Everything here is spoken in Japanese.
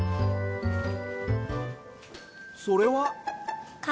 それは？